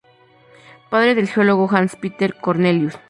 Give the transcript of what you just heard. Padre del geólogo Hans Peter Cornelius.